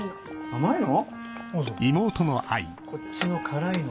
甘いの。